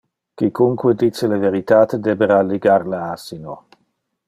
Quicunque dice le veritate debera ligar le asino.